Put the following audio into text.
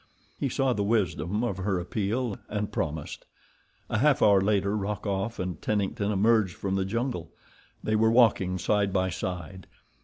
He saw the wisdom of her appeal, and promised. A half hour later Rokoff and Tennington emerged from the jungle. They were walking side by side.